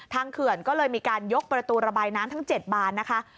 เขื่อนก็เลยมีการยกประตูระบายน้ำทั้ง๗บานนะคะ